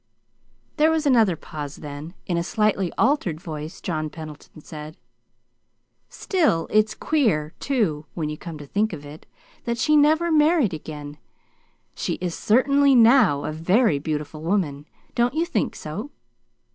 There was another pause, then, in a slightly altered voice, John Pendleton said: "Still it's queer, too, when you come to think of it, that she never married again. She is certainly now a very beautiful woman. Don't you think so?"